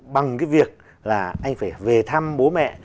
bằng cái việc là anh phải về thăm bố mẹ